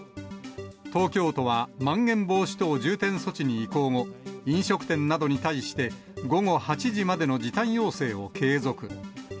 東京都はまん延防止等重点措置に移行後、飲食店などに対して、午後８時までの時短要請を継続。